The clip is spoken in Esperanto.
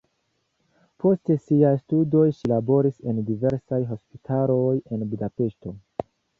Post siaj studoj ŝi laboris en diversaj hospitaloj en Budapeŝto.